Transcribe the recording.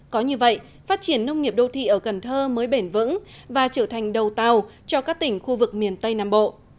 có như vậy phát triển nông nghiệp đô thị ở cần thơ mới bền vững và trở thành đầu tàu cho các tỉnh khu vực miền tây nam bộ